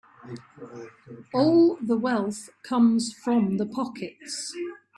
All the wealth comes from the pockets.